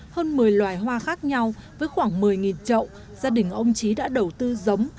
hơn một mươi loài hoa khác nhau với khoảng một mươi trậu gia đình ông trí đã đầu tư giống